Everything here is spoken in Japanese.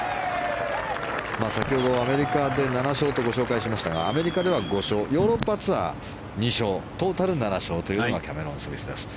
先ほどアメリカで７勝とご紹介しましたがアメリカでは５勝ヨーロッパツアー２勝トータル７勝というのがキャメロン・スミスです。